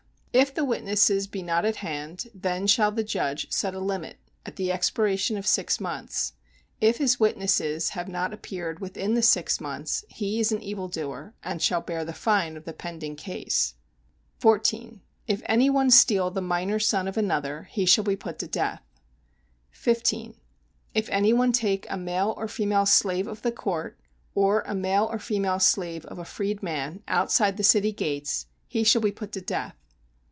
If the witnesses be not at hand, then shall the judge set a limit, at the expiration of six months. If his witnesses have not appeared within the six months, he is an evil doer, and shall bear the fine of the pending case. 14. If any one steal the minor son of another, he shall be put to death. 15. If any one take a male or female slave of the court, or a male or female slave of a freed man, outside the city gates, he shall be put to death.